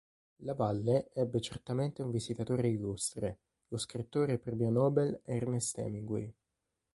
La valle ebbe certamente un visitatore illustre: lo scrittore e Premio Nobel Ernest Hemingway.